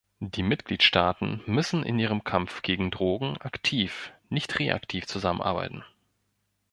Die Mitgliedstaaten müssen in ihrem Kampf gegen Drogen aktiv, nicht reaktiv zusammenarbeiten.